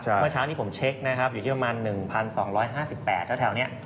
เมื่อเช้านี้ผมเช็คนะครับอยู่ที่ประมาณ๑๒๕๘แถวนี้